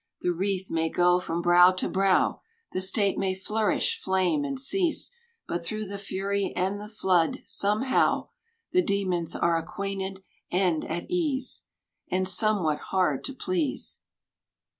The wreath may go from brow to brow, The state may flourish, flame, and cease; But through the fury and the flood somehow The demons are acquainted and at ease, And somewhat hard to please.